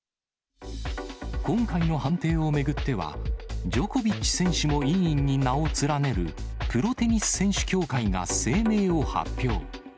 今回の判定を巡っては、ジョコビッチ選手も委員に名を連ねる、プロテニス選手協会が声明を発表。